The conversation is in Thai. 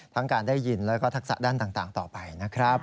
การได้ยินแล้วก็ทักษะด้านต่างต่อไปนะครับ